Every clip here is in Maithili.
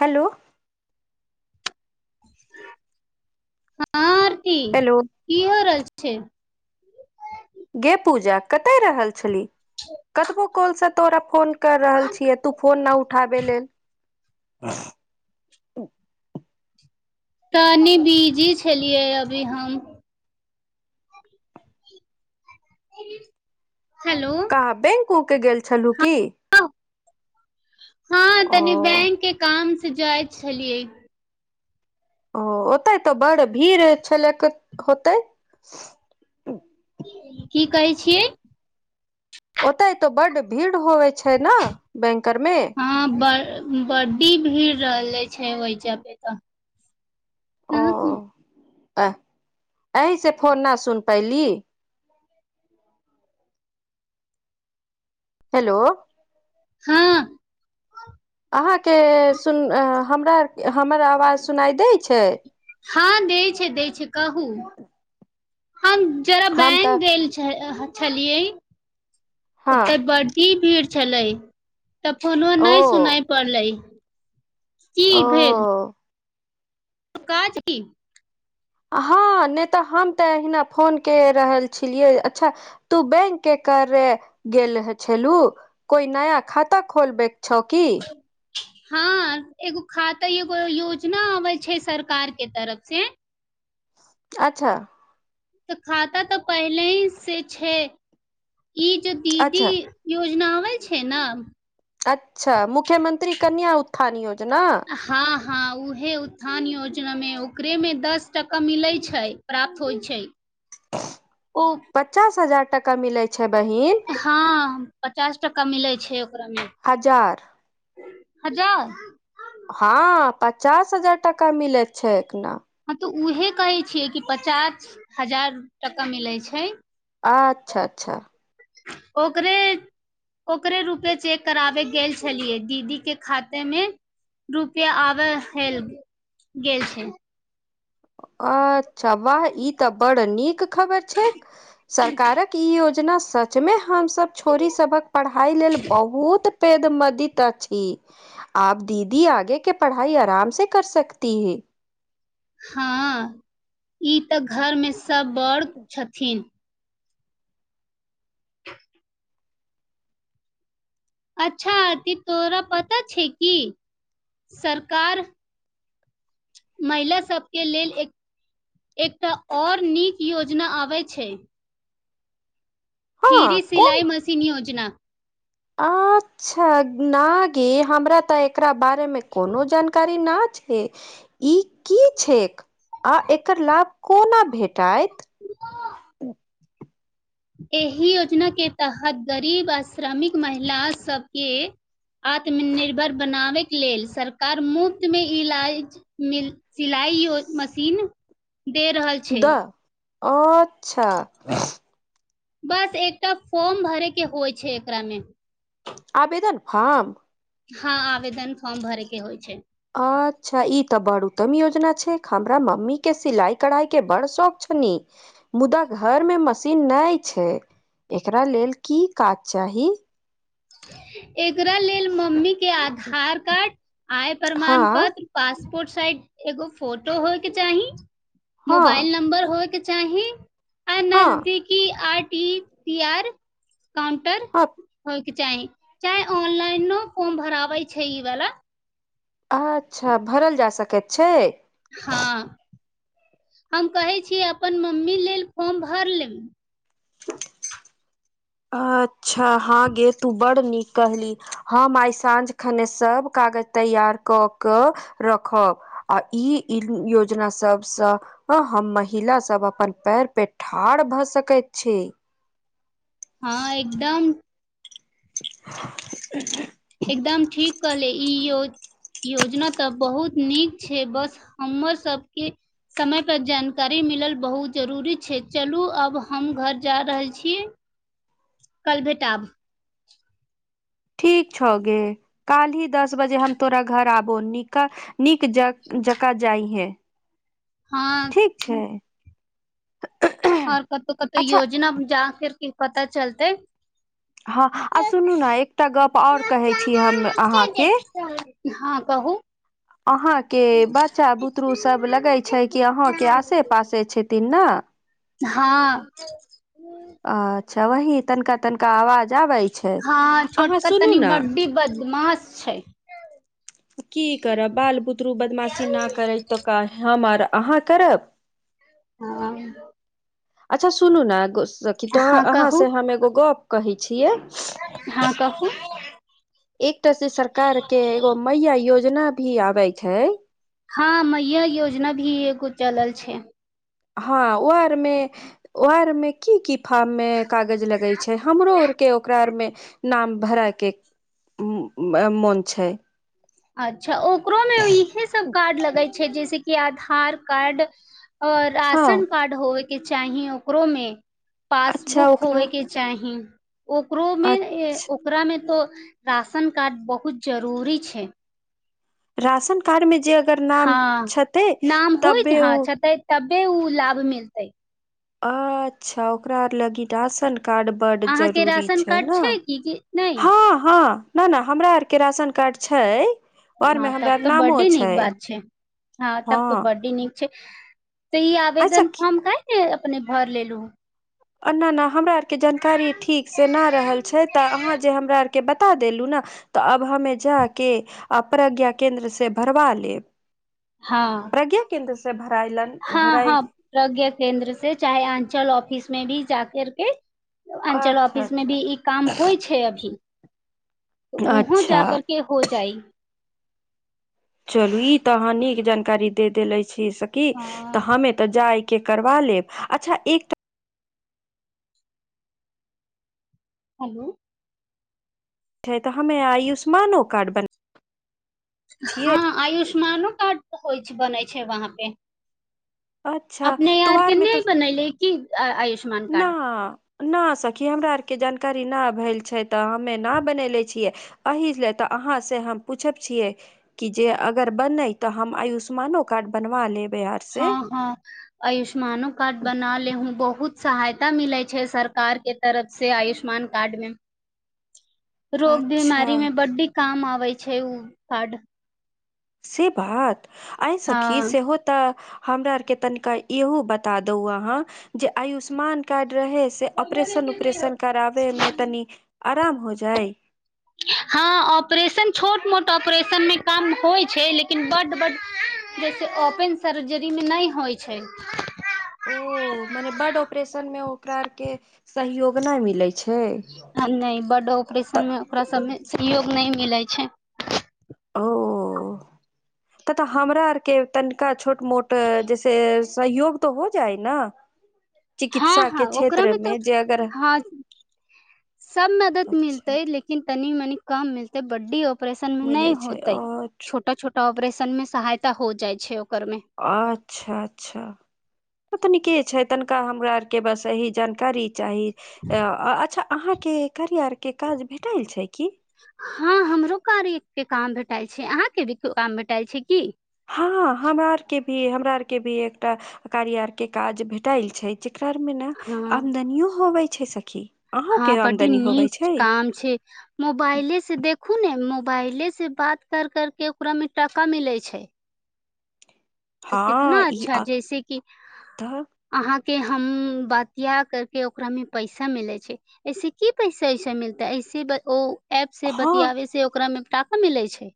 हेलो हँ आरती हेलो कि हो रहल छैय? ठीक गे पूजा कतय रहल छलही कतबो कॉलसँ तोरा फोन कर रहल छिय तू फोन नहि उठाबै ले तनी बीजी छलियै अभी हम हेलो कूके गेल छलू की? हँ ओ तनी बैंक के काम से जाइत छलियै। ओ ओते तऽ बड़ भीड़ छलैक होतै? की कहै छियै? ओतय तऽ बड्ड भीड़ होबैत छैय ने बैंकआरमे? हँ ब बड्डी भीड़ रहले छैय ओहिज पे तऽ। ओ आ एहि से फोन ना सुन पैली। हेलो हँ अहाँके सुन हमरा हमर आवाज सुनाइ दै छैय? हँ दै छैय दै छैय कहू। हम जरा हम बैंक तऽ गेल छलियए हँ उत्तर बटी भीड़ छलै तऽ फोनो ओ नहि सुनाय पड़लय। की ओ भेल? कहा छी? हँ नहि तऽ हम तऽ अहिना फोन काय रहल छलियै अच्छा तू बैंकके करे गेल छलू कोई नया खाता खोलबैक छौ की? हँ एगो खाता एगो योजना अबै छैय सरकार के तरफ से। अच्छा तअ खाता तऽ पहिलहि से छै ई जे दीदी अच्छा योजना आबै छै न अच्छा मुख्यमंत्री कन्या उत्थान योजना हँ हँ उहे उत्थान योजनामे ओकरेमे दस टका मिलै छैय प्राप्त होइ छैय। पचास हजार टका मिलय हँ पचास टाका मिलै छैय ओकरामे। हजार हजार हँ पचास हजार टाका मिलैत छैय एखना। हँ तऽ उहे कहै छियै कि पचास हजार टका मिलै छैय। अच्छा अच्छा ओकरे ओकरे रूपे चेक कराबे गेल छलियै दीदी के खातेमे रुपया आबे हे गेल छैय। अच्छा वाह ई तऽ बड़ नीक खबर छैय सरकारक ई योजना सचमे हमसभ छोरी सभक पढ़ाई लेल बहुत पेद मदीत अछि आब दीदी आगे कि पढ़ाई आराम से कर सकती है। हँ ई तऽ घरमे सभ बड़ छथिन। अच्छा अती तोरा पता छै कि सरकार महिला सभके लेल एक एकटा आओर नीक योजना आबै छै फ्रि हँ कोन सिलाई मशीन योजना अच्छा ना गे हमरा तऽ एकरा बात मे कोनो जानकारी ना छै ई की छैक आ एकर लाभ कोना भेट आंय - एहि योजना के तहत गरीब आ श्रमिक महिला सबके आत्मनिर्भर बनाबैके लेल सरकार मुफ्त मे इलाज मिल सिलाई आइ मशीन दे रहल छै द अच्छा बस एकटा फॉर्म भरैके होइ छै एकरामे हाँ हँ आवेदन फॉर्म भरेके होइ छै अच्छा ई तऽ बड़ उत्तम योजना छै हमरा मम्मी के सिलाई कढ़ाई के बड़ शौक छै मुदा घर मे मशीन नहि छै एकरा लेल की काज चाही एकरा लेल मम्मी के आधार कार्ड आय प्रमाण हँ पत्र पास पोर्ट साइज एगो फोटो होइके चाही हँ मोबाइल नंबर होइके चाही आ हँ नजदीकी R T P R counter हँ होइ चाही चाहे ऑनलाइनो फॉर्म भराबै छै ईवला अच्छा भरल जा सकैत छै हाँ हम कहैत छी अपन मम्मी लेल फॉर्म भर लेब अच्छा हाँ गे तू बड नीक कहली हम आइ साँझ खने सब क कागज तैयार कऽ कऽ रखब आ ई योजना सबस अ हम महिला सब अपन पैर पे ठाढ़ भऽ सकैत छी हाँ एकदम [inaudible] एकदम ठीक कहले ई यो योजना तऽ बहुत नीक छै बस हमर सबके समयपर जानकारी मिलल बहुत जरूरी छै चलू अब हम घर जा रहल छी कल भेटब ठीक छगे कालही दस बजे हम तोरा घर आब निक नीक जका जका जाइए है हँ ठीक छै ओर कतहु कतहु अच्छा योजना जा फरके पता चलतै हँ आ सुनू ने एकटा गप ओर कहै छी हम अहाँके हाँ कहू अहांके बच्चा बुतरू सब लगे छै कि अहाँके आसे पासे छथिन ने हाँ अच्छा वही तनिका तनिका आवाज आबै छै हाँ अहाँ छोटक सुनू तनी ने बड्डी बदमाश छै की करब बाल बुतरू बदमाशी नहि करै तऽ कह हम अहाँ करब हाँ अच्छा सुनू ने तो अहाँ कहू से हम एगो गप कही छियै हँ कहू एकटा से सरकार के एगो मैया योजना भी आबै छै हाँ मैया योजना भी एगो चलल छै हाँ ओ आरमे ओ आरमे की की फार्म मे [unintelligible] कागज लगै छै हमरो ओर के ओकरा आर मे नाम भराक के मन छै अच्छा ओकरोमे इहे सब कार्ड लगैत छै जैसे कि आधार कार्ड ओर हँ राशन कार्ड होवय के चाही ओकरो मे अच्छा पासबुक ओकरा होबयके चाही ओकरोमे अ ओकरामे तो राशन कार्ड बहुत जरूरी छैक राशन कार्डमे जे अगर नाम हँ छैतै नाम होइ तबे उ हँ छतै तबे उ लाभ मिलतै अच्छा ओकरा लगी राशन कार्ड बड्ड अहाँके जरूरी राशन छैक कार्ड न छै कि कि नहि हाँ हाँ नहि नहि हमरा आरके राशन कार्ड छैक हाँ तब तऽ बड्डी नीक बात छै हाँ तब हँ तऽ बड्डी नीक छै [unintelligible] तऽ ई आवेदन अच्छा फॉर्म काहि नहि अपने भर लेलहुँ ना ना हमरा आरके जानकारी ठीक से ना रहल छै तऽ अहाँ जे हमरा आर के बता देलू ने तऽ अब हमे जाके आ प्रज्ञा केन्द्र से भरबा लेब हँ प्रज्ञा केन्द्र से भरत हँ हँ प्रज्ञ केंन्द्र से चाहे अंचल ऑफिस मे भी जा करके अनचल अच्छा ऑफिस मे अच्छा भी ई काम होइत छैक अभी तो उहों अच्छा जाकेँ हो जाइ चलू ई तऽ अहाँ नीक जानकारी दे देेले छी सकी हँ तऽ हमे तऽ जाय के करबा लेब अच्छा एक तऽ हेलो हमे आयुष्मानो कार्ड बना छियै हँ आयुष्मानो कार्ड बनैत छै वहाँपे अच्छा अपने आर नहि बनेलिए कि आयुष न [unintelligible] नहि सखी हमरा आरके जानकारी नहि भेल छै तऽ हमे न बनले छियै एहिही ल तऽ अहाँ से हम पूछब छीये कि जे अगर बने तऽ हम आयुष्मानो कार्ड बनवा लेब हँ हँ आयुष्मानो कार्ड बना ले हू बहुत बहुत सहायता मिलैत छै सरकार के तरफ से आयुष्मान कार्ड मे रोग अच्छा बीमारी मे बड्डी काम आबै छै ओ फड से बात आइ सखी हँ से होता हमरा आरके तनिका इहो बता दो अहाँ जे आयुष्मान कार्ड रह से ऑपरेशन उपरेशन कराबै मे तनि आराम हो जाय हँ ऑपरेशन छोट मोट ऑपरेशन मे काम होइत छैक लेकिन बड बड जैसे ओपन सर्जरी मे नहि हो होइत छैक ओ मने बड ऑपरेशन मे ओकरा आरकेँ सहयोग नहि मिलैत छैक नहि ब्लड ऑपरेशन मे ओकरा सबमे सहयोग नहि मिलैत छै ओ ओ [unintelligible] तऽ तऽ हमरा आरकेँ तनिका छोट मोट जैसे सहयोग तऽ हो जाइ ने हँ हँ ओकरामे तऽ हँ सब मदद अच्छा मिलतै लेकिन त मनी कम मिलते बड्डी ऑपरेशन मे न नहि मिलै छै होते अच्छा छोटा छोटा ऑपरेशन न मे सहायता हो जाइत छै ओ अच्छा अच्छा तनिके छै तनिका हमरा आर के बस यही जानकारी चाही अच्छा अहाँके करी आरके काज भेटल छै की हँ हमरो कार्य के काम भेटाल छै अहाँ के भी काम भेटाल छै की हँ हमरा आरके भी हमरा आरके भी एकटा कारी आरके काज भेटायल छै जेकरारमे ने हँ आमदनियो होबै छै सखी हँ अहूँके प्टी आमदनी होबै नीक छै काम छै मोबाइले से देखू ने पहिले से बात कर कर के ओकरा मे टाका मिले छै तऽ कितना हँ ई अच्छा आ जैसे कि तऽ अहाँ के हम बातियाा करके ओकरा में पैसा मिले छै ऐसे की पैसा ऐसे मिलते ऐसे ओ एप से हँ बतियाबे से ओकरा मे टाका मिलै छै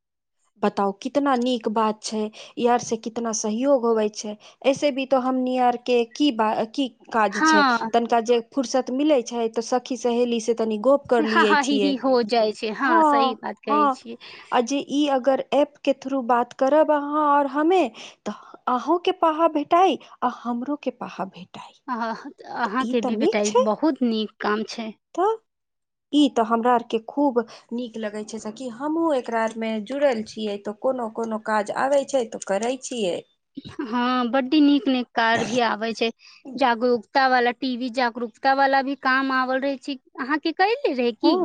बताउ कितना नीक बात छै इहर से कितना सहयोग होबै छै ऐसे भी तो हमनी आर के की ब की काज छै हँ तनिका जे फुर्सत मिले छै तऽ सखी सहेली से त गप से हा करलिय हा ही छिय ही हो जाइ छै ह हँ सही बात ह कहै छियै आ ई अगर एप के थ्रू बात करब अहाँ आओर हमे तऽ अहूँंके पाहा भेटाइ आ हमरो के पहा भेटल अ अहाँके भी बेटा बहुत नीक काम छै तऽ ई तऽ हमरा आरके खूब नीक लगैत छै सकि हमहूँ एकरा आरमे जुड़ल छियै तऽ कोनो कोनो काज आबे छै तो करे छियै हँ बड्ड नीक नीक कार भी आबै छै जागरूकता वाला टी वी जागरूकता वाला भी काम आवल रहै छै अहाँके कहिल रहै हँ की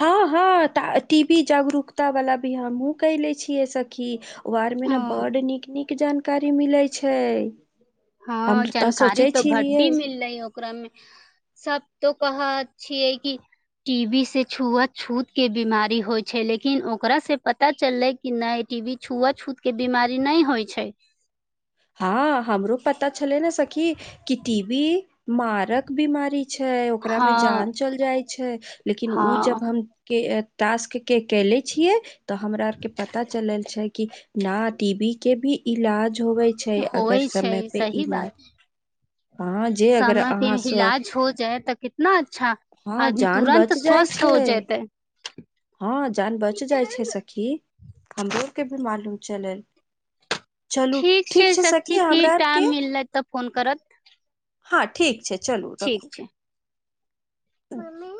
हँ हँ त टी वी जागरूकता वाला भी हमहु केने छियै सखी वार मे ने ह बड नीक नीक जानकारी मिले छै हम हँ तऽ जानकारी सोचै तऽ बड्डी छलियै मिललै ह ओकरामे सब तो कहाँ अच् छ है की टी बी से छुआत छूत के बीमारी होइ छै लेकिन ओकरा से पता चललै कि नहि टी वी छुआछूतके बीमारी नहि होइ छै हँ हमरो पता छलै ने सखी कि टीवी मारक बीमारी छै ओकरा हँ मे जान चल जाइ छै लेकिन उ जब हँ हम के टास्क के केेले छियै तऽ हमरा आर के पता चलल छै कि ना टी वी के भी इलाज होवे छै अगर होइ छै समय पे सही इलाज बात हँ जे अगर समय पे अहाँ स्व इलाज हो जाय तऽ कितना अच्छा हँ आदमी जान तुरन्त बच जाइ स्वस्थ हो छै जतै हँ जान बच जाइ छै सखी हमरो के भी मालूम चलल चलू ठीक छै ठीक सखी फ्री हमरा आर के टाइम मिललै तऽ फोन करत हँ ठीक छै चलू रखू मम्मी